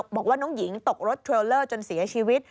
บอกว่าน้องหญิงตกรถเทรลเลอร์จนเสียชีวิต